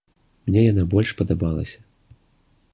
Мне яна больш падабалася.